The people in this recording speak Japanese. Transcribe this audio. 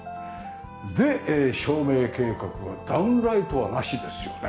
で照明計画はダウンライトはなしですよね。